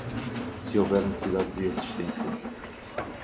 Se houver necessidade de assistência